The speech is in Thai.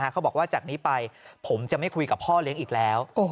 เขาบอกว่าจากนี้ไปผมจะไม่คุยกับพ่อเลี้ยงอีกแล้ว